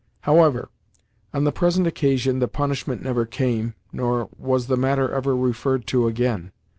However, on the present occasion the punishment never came, nor was the matter ever referred to again.